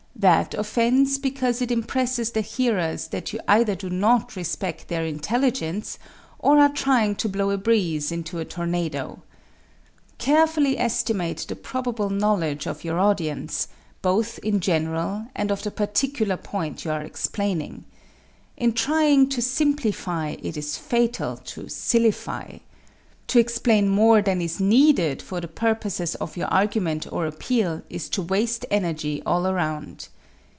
That offends because it impresses the hearers that you either do not respect their intelligence or are trying to blow a breeze into a tornado. Carefully estimate the probable knowledge of your audience, both in general and of the particular point you are explaining. In trying to simplify, it is fatal to "sillify." To explain more than is needed for the purposes of your argument or appeal is to waste energy all around.